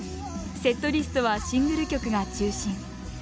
セットリストはシングル曲が中心。